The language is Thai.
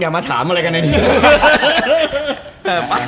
อย่ามาถามอะไรกันด้วย